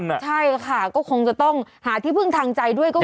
ใช่ค่ะก็คงจะต้องหาที่พึ่งทางใจด้วย